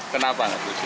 kenapa nggak setuju